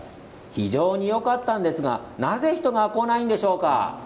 非常によかったんですがなぜ人が来ないんでしょうか？